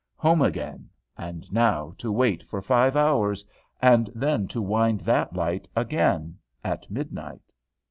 Home again! And now to wait for five hours, and then to wind that light again at midnight!